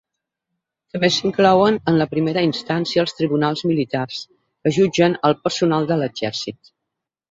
També s'inclouen en la primera instància els tribunals militars, que jutgen al personal de l'exèrcit.